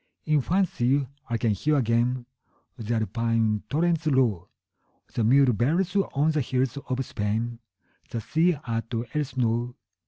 In fancy I can hear again The Alpine torrent's roar, The mule bells on the hills of Spain, 15 The sea at Elsinore.